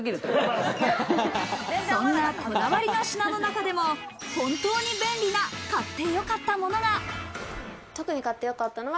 そんなこだわりの品の中でも本当に便利な買ってよかったものが！